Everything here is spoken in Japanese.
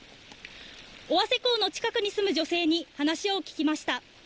尾鷲港の近くに住む女性に話を聞きました。